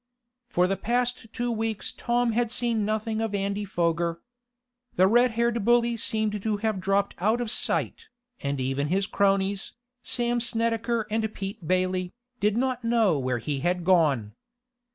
For the past two weeks Tom had seen nothing of Andy Foger. The red haired bully seemed to have dropped out of sight, and even his cronies, Sam Snedecker and Pete Bailey, did not know where he had gone.